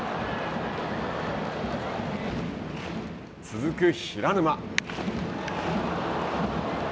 続く平沼。